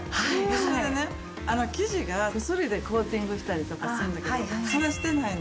それでね生地が薬でコーティングしたりとかするんだけどそれしてないの。